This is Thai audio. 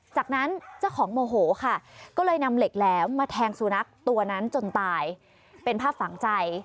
จากนั้นเจ้าของโมโหค่ะก็เลยนำเหล็กแหลมมาแทงสุนัขตัวนั้นจนตายเป็นภาพฝังใจ